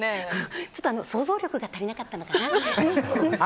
ちょっと想像力が足りなかったのかな。